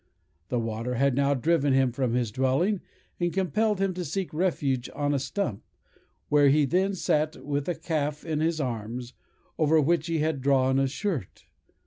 The water had now driven him from his dwelling, and compelled him to seek refuge on a stump, where he then sat, with a calf in his arms, over which he had drawn a shirt.